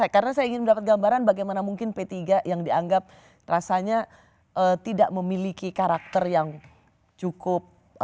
karena saya ingin mendapat gambaran bagaimana mungkin p tiga yang dianggap rasanya tidak memiliki karakter yang cukup